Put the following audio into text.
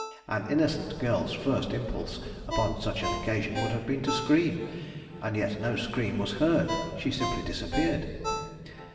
An innocent girl's first impulse upon such an occasion would have been to scream; and yet no scream was heard; she simply disappeared.